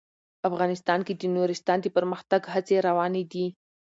افغانستان کې د نورستان د پرمختګ هڅې روانې دي.